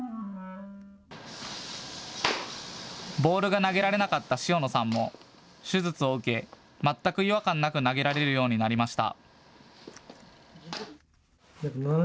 ボールが投げられなかった塩野さんも手術を受け全く違和感なく投げられるようになりました。